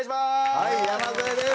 はい山添です。